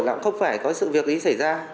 là cũng không phải có sự việc ý xảy ra